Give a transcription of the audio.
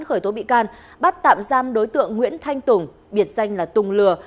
khởi tố bị can bắt tạm giam đối tượng nguyễn thanh tùng biệt danh là tùng lừa